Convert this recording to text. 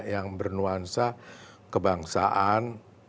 yang bernuansa kebangsaan